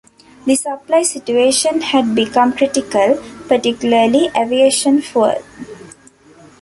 The supply situation had become critical, particularly aviation fuel.